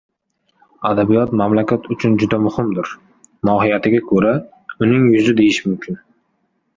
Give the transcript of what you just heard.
Adabiyot mamlakat uchun juda muhimdir, mohiyatiga ko‘ra, uning yuzi deyish mumkin.